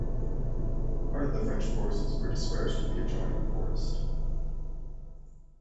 Part of the French forces were dispersed in the adjoining forest.